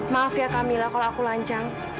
maaf ya kamila kalau aku lancang